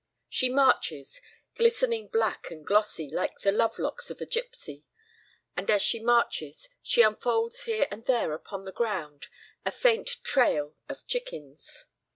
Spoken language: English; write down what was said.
She marches, glistening black and glossy like the love locks of a gypsy; and as she marches, she unfolds here and there upon the ground a faint trail of chickens.